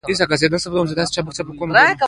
رقیب زما د ذهني تمرکز یوه برخه ده